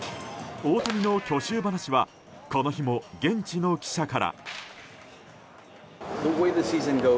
大谷の去就話はこの日も現地の記者から。